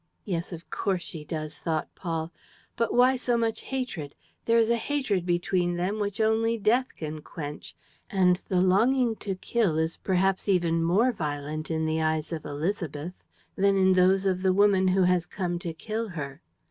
"Yes, of course she does," thought Paul. "But why so much hatred? There is a hatred between them which only death can quench. And the longing to kill is perhaps even more violent in the eyes of Élisabeth than in those of the woman who has come to kill her."